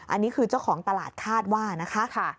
อันนี้คือเจ้าของตลาดคาดว่านะคะ